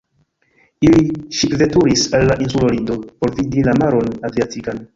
Ili ŝipveturis al la insulo Lido por vidi la maron Adriatikan.